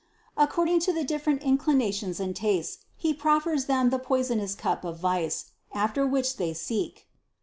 According to the different 214 CITY OF GOD inclinations and tastes he proffers them the poisonous cup of vice, after which they seek.